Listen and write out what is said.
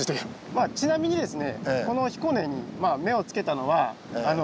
まあちなみにですね